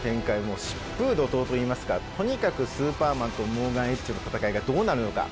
もう疾風怒とうといいますかとにかくスーパーマンとモーガン・エッジの戦いがどうなるのか？